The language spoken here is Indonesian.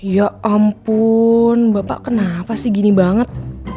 ya ampun bapak kenapa sih gini banget